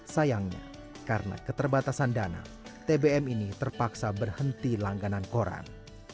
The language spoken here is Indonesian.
sayangnya karena keterbatasan dana tbm ini terpaksa berhenti langganan koran